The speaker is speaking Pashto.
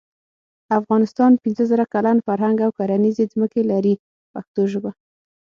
افغانستان پنځه زره کلن فرهنګ او کرنیزې ځمکې لري په پښتو ژبه.